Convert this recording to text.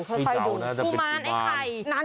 กุมารไอ้ไข่